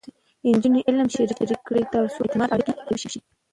نجونې علم شریک کړي، ترڅو د اعتماد اړیکې قوي شي.